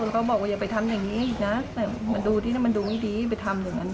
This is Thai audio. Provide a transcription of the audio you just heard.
เขาบอกว่าอย่าไปทำอย่างนี้นะดูดีไปทำอย่างนั้น